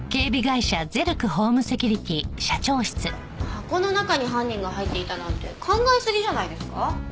箱の中に犯人が入っていたなんて考えすぎじゃないですか？